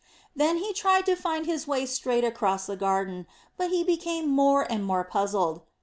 Then he tried to find his way straight across the garden, but he became more and more puzzled.